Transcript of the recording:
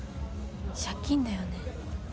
借金だよね？